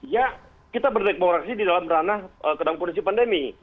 ya kita berdemokrasi di dalam ranah dalam kondisi pandemi